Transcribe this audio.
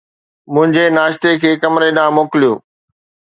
منهنجي ناشتي کي ڪمري ڏانهن موڪليو